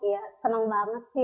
ya senang banget